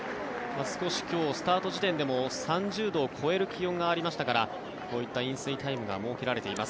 少し今日、スタート時点でも３０度を超える気温がありましたからこういった飲水タイムが設けられています。